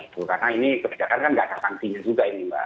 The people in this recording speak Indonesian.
karena ini kebijakan kan tidak ada pangsinya juga ini mbak